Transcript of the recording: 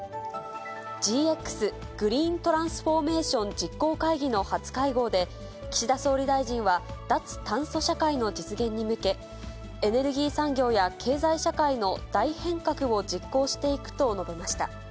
ＧＸ・グリーントランスフォーメーション実行会議の初会合で、岸田総理大臣は、脱炭素社会の実現に向け、エネルギー産業や経済社会の大変革を実行していくと述べました。